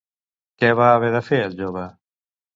Què va haver de fer el jove?